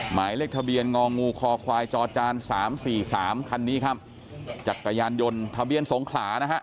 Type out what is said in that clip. หมายเลขทะเบียนงองูคอควายจอจานสามสี่สามคันนี้ครับจักรยานยนต์ทะเบียนสงขลานะฮะ